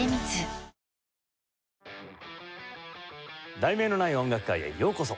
『題名のない音楽会』へようこそ。